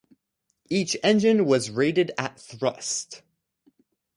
Each engine was rated at thrust.